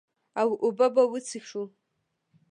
او اوبۀ به وڅښو ـ